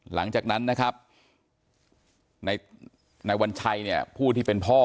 หลังจากนั้นนะครับนายวัญชัยเนี่ยผู้ที่เป็นพ่อ